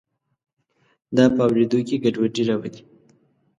دا په اوریدو کې ګډوډي راولي.